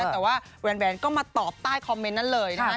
แต่ว่าแวนก็มาตอบใต้คอมเมนต์นั้นเลยนะคะ